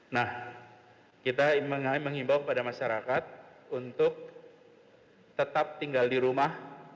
nah kita mengimbau kepada masyarakat untuk tetap tinggal di rumah